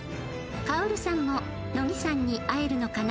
「薫さんも乃木さんに会えるのかな？」